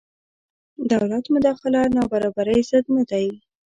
دولت مداخله نابرابرۍ ضد نه دی.